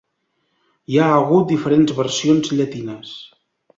Hi ha hagut diferents versions llatines.